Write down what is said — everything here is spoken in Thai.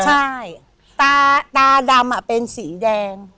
ใช่ตาดำเป็นสีแดง